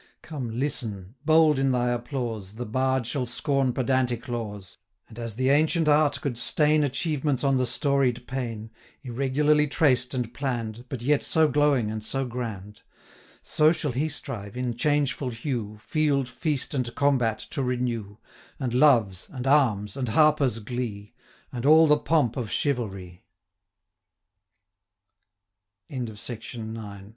Come listen! bold in thy applause, The Bard shall scorn pedantic laws; And, as the ancient art could stain Achievements on the storied pane, 185 Irregularly traced and plann'd, But yet so glowing and so grand, So shall he strive, in changeful hue, Field, feast, and combat, to renew, And loves, and arms, and harpers' glee, 191 And all the pomp of